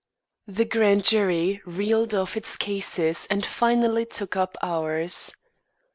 The grand jury reeled off its cases and finally took up ours.